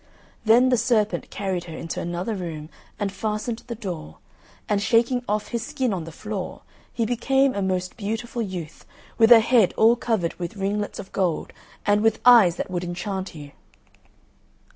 Then the serpent carried her into another room and fastened the door; and shaking off his skin on the floor, he became a most beautiful youth, with a head all covered with ringlets of gold, and with eyes that would enchant you!